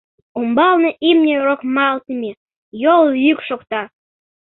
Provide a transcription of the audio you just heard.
Умбалне имне рокмалтыме, йол йӱк шокта.